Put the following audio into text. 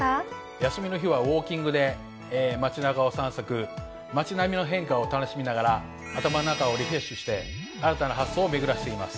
休みの日はウオーキングで街中を散策街並みの変化を楽しみながら頭の中をリフレッシュして新たな発想を巡らしています。